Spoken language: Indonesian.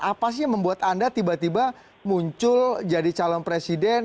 apa sih yang membuat anda tiba tiba muncul jadi calon presiden